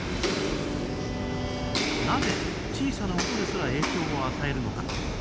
なぜ小さな音ですら影響を与えるのか